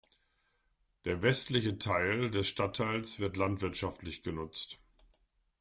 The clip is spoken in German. Der westliche Teil des Stadtteils wird landwirtschaftlich genutzt.